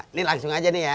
ini langsung aja nih ya